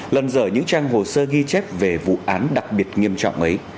lần giờ những trang hồ sơ ghi chép về vụ án đặc biệt nghiêm trọng ấy